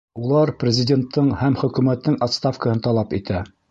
Улар президенттың һәм хөкүмәттең отставкаһын талап итә.